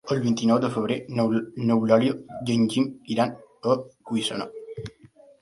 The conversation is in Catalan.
El vint-i-nou de febrer n'Eulàlia i en Guim iran a Guissona.